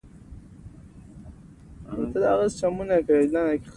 لمسی د نیکه له شین چپنه خوښ وي.